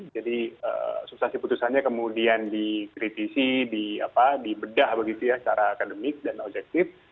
jadi substansi putusannya kemudian dikritisi dibedah secara akademik dan objektif